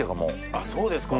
あっそうですか。